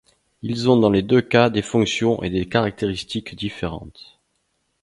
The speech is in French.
Ils ont dans les deux cas des fonctions et des caractéristiques différentes.